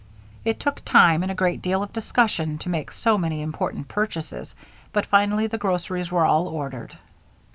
It took time and a great deal of discussion to make so many important purchases, but finally the groceries were all ordered.